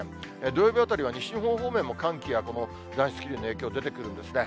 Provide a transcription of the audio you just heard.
土曜日あたりは西日本方面も、寒気やこの暖湿気流の影響が出てくるんですね。